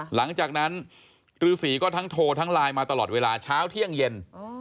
หลังจากนั้นฤษีก็ทั้งโทรทั้งไลน์มาตลอดเวลาเช้าเที่ยงเย็น